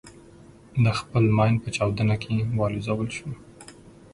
د خپل ماین په چاودنه کې والوزول شو.